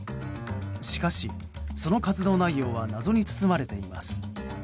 しかし、その活動内容は謎に包まれています。